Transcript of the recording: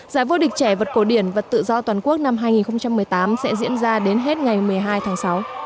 giải vô địch trẻ vật cổ điển vật tự do toàn quốc năm hai nghìn một mươi tám sẽ diễn ra đến hết ngày một mươi hai tháng sáu